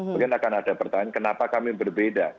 mungkin akan ada pertanyaan kenapa kami berbeda